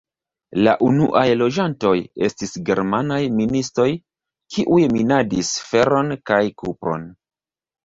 La unuaj loĝantoj estis germanaj ministoj, kiuj minadis feron kaj kupron.